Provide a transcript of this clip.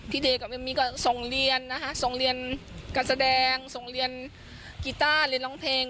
เดย์กับเอมมี่ก็ส่งเรียนนะคะส่งเรียนการแสดงส่งเรียนกีต้าเรียนร้องเพลง